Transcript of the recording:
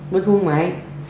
bên thua mạng